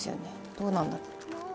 どうなんだろう？